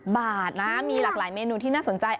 บาทนะมีหลากหลายเมนูที่น่าสนใจ